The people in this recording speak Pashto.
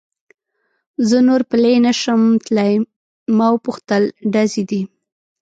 زه نور پلی نه شم تلای، ما و پوښتل: ډزې دي؟